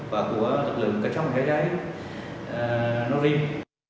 và trong cái đấy nó riêng